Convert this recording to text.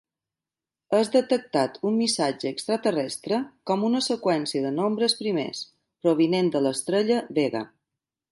És detectat un missatge extraterrestre com una seqüència de nombres primers, provinent de l'estrella Vega.